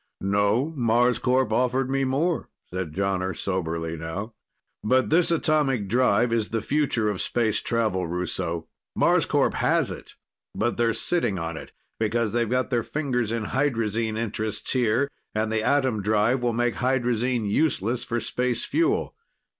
"No, Marscorp offered me more," said Jonner, soberly now. "But this atomic drive is the future of space travel, Russo. Marscorp has it, but they're sitting on it because they've got their fingers in hydrazine interests here, and the atom drive will make hydrazine useless for space fuel.